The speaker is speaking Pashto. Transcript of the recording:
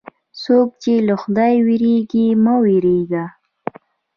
څوک چې له خدایه وېرېږي، مه وېرېږه.